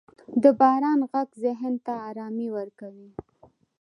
• د باران ږغ ذهن ته آرامي ورکوي.